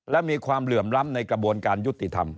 และมีความเหลื่อมล้ำในกระบวนการยุติธรรม